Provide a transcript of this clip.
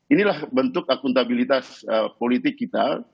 inilah bentuk akuntabilitas politik kita